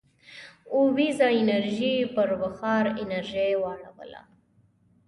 اوبیزه انرژي یې پر بخار انرژۍ واړوله.